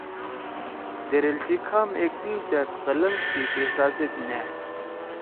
دیریل سی کھام ایک دوئی سیت قلنگ سی پیسازیت نأڑ۔